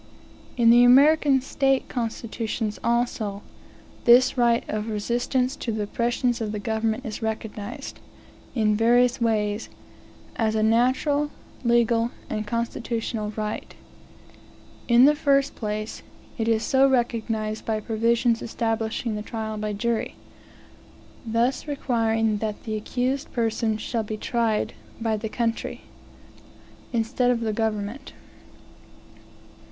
In the American State constitutions also, this right of resistance to the oppressions of the government is recognized, in various ways, as a natural, legal, and constitutional right. In the first place, it is so recognized by provisions establishing the trial by jury; thus requiring that accused persons shall be tried by "the country," instead of the government.